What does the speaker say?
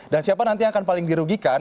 dan siapa nanti yang akan paling dirugikan